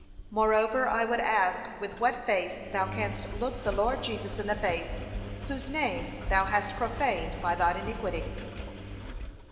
Moreover, I would ask with what face thou canst look the Lord Jesus in the face, whose name thou hast profaned by thine iniquity?